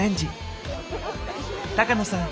高野さん